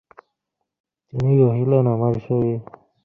তিনি কহিলেন, আমার শরীর!